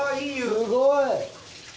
すごい！